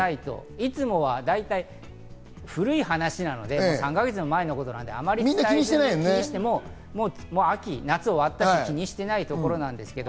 いつもは大体古い話なので、３か月も前のことなので、秋、夏が終わったし、気にしてないところですけれど。